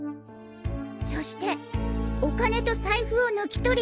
そしてお金と財布を抜き取り。